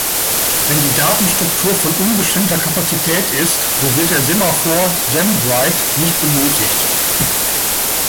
Wenn die Datenstruktur von unbeschränkter Kapazität ist, so wird der Semaphor "sem_write" nicht benötigt.